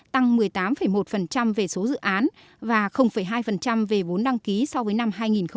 tăng một mươi tám một về số dự án và hai về vốn đăng ký so với năm hai nghìn một mươi bảy